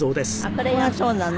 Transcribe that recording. これがそうなの？